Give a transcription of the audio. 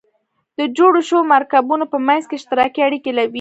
د جوړو شوو مرکبونو په منځ کې اشتراکي اړیکې وي.